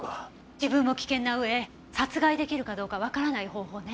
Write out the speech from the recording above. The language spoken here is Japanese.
自分も危険な上殺害出来るかどうかわからない方法ね。